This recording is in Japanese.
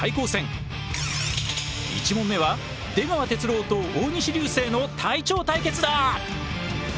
一問目は出川哲朗と大西流星の隊長対決だ！